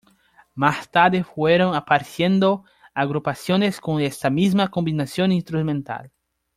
Más tarde fueron apareciendo agrupaciones con esa misma combinación instrumental.